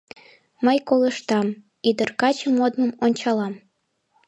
Мый колыштам, ӱдыр-каче модмым ончалам.